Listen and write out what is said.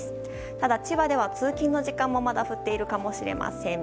ただ、千葉では通勤の時間もまだ降っているかもしれません。